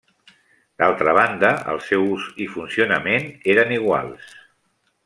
D'altra banda, el seu ús i funcionament eren iguals.